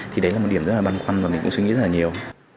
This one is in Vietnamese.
thì đấy là một điểm rất là băn khoăn và mình cũng suy nghĩ rất là nhiều